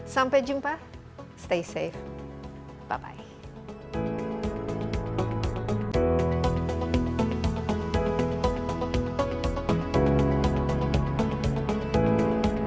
sampai jumpa stay safe bye bye